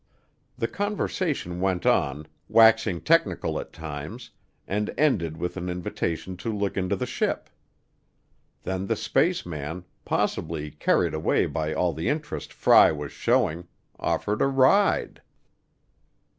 The conversation went on, waxing technical at times, and ended with an invitation to look into the ship. Then the spaceman, possibly carried away by all the interest Fry was showing, offered a ride.